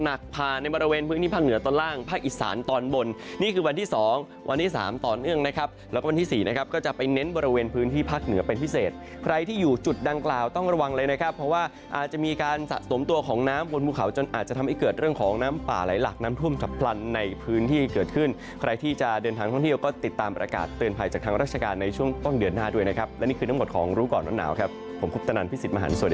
จากการคาดการณ์ฝนจะเป็นอย่างไรจากการคาดการณ์ฝนจะเป็นอย่างไรจากการคาดการณ์ฝนจะเป็นอย่างไรจากการคาดการณ์ฝนจะเป็นอย่างไรจากการคาดการณ์ฝนจะเป็นอย่างไรจากการคาดการณ์ฝนจะเป็นอย่างไรจากการคาดการณ์ฝนจะเป็นอย่างไรจากการคาดการณ์ฝนจะเป็นอย่างไรจากการคาดการณ์ฝนจะเป็นอย่างไรจากการคาดการณ์ฝน